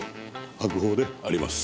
白鵬であります」